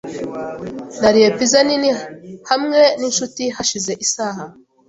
Nariye pizza nini hamwe ninshuti hashize isaha .